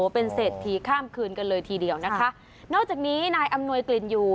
เป็นเศรษฐีข้ามคืนกันเลยทีเดียวนะคะนอกจากนี้นายอำนวยกลิ่นอยู่